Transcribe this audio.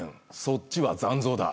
そっちは残像だ。